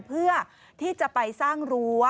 เพื่อที่จะไปสร้างรั้ว